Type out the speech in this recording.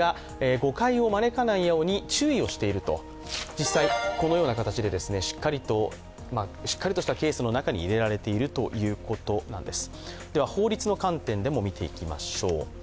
実際このような形でしっかりとしたケースの中に入れられているということなんです。